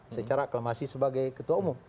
secara aklamasi sebagai ketua umum